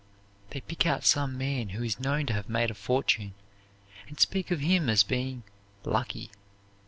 They pick out some man who is known to have made a fortune and speak of him as being 'lucky.'